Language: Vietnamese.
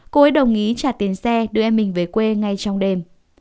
cô ấy đồng ý trả tiền xe đưa em mình về quê ngay trong đêm